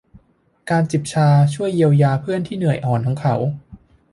การจิบชาช่วยเยียวยาเพื่อนที่เหนื่อยอ่อนของเขา